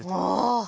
ああ！